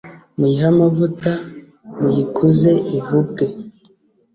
Muyihe amavuta, muyikuze ivubwe,